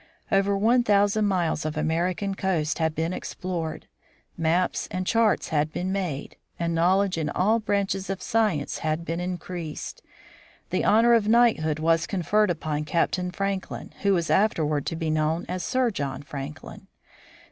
Over one thousand miles of American coast had been explored, maps and charts had been made, and knowledge in all branches of science had been increased. The honor of knighthood was conferred upon Captain Franklin, who was afterward to be known as Sir John Franklin.